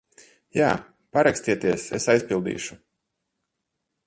Jā. Parakstieties, es aizpildīšu.